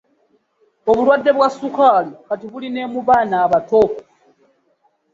Obulwade bwa sukaali kati buli ne mu baana abato.